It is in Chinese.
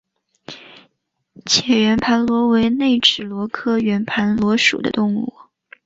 浅圆盘螺为内齿螺科圆盘螺属的动物。